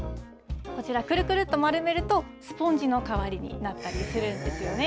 こちら、くるくるっと丸めると、スポンジの代わりになったりするんですよね。